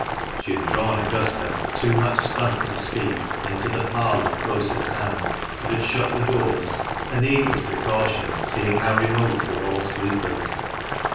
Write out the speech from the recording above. " She had drawn Augusta, too much stunned to speak, into the parlour close at hand, and had shut the doors — a needless precaution, seeing how remote were all sleepers.